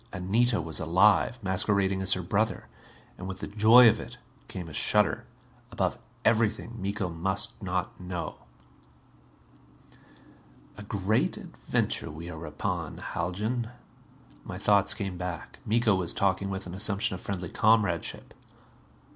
Anita was alive. Masquerading as her brother. And, with the joy of it, came a shudder. Above everything, Miko must not know. "A great adventure we are upon, Haljan." My thoughts came back. Miko was talking with an assumption of friendly comradeship.